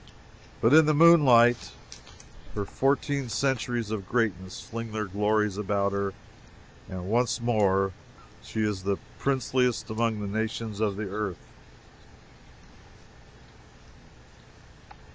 But in the moonlight, her fourteen centuries of greatness fling their glories about her, and once more is she the princeliest among the nations of the earth.